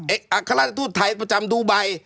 อัฆฆาติธุรกิจไทยประจำดูไบ